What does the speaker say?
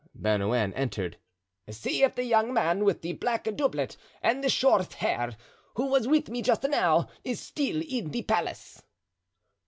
Bernouin entered. "See if the young man with the black doublet and the short hair, who was with me just now, is still in the palace."